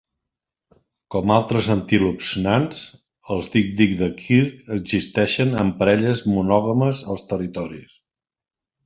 Com altres antílops nans, els dic-dic de Kirk existeixen en parelles monògames als territoris.